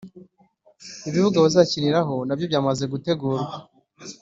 Ibibuga bazakiniraho nabyo byamaze gutegurwa